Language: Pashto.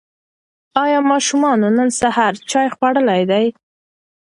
ایا ماشومانو نن سهار چای خوړلی دی؟